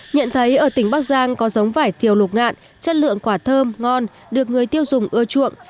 nhận thấy ở tỉnh bắc giang có giống vải thiều lục ngạn chất lượng quả thơm ngon được người tiêu dùng ưa chuộng